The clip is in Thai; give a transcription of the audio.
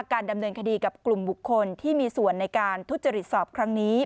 การดำเนินคดีกับกลุ่มบุคคลที่มีส่วนในการทุจริตสอบครั้งนี้